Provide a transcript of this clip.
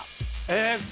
え